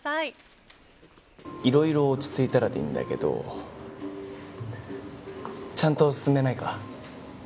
いろいろ落ち着いたらでいいんだけどちゃんと進めないか？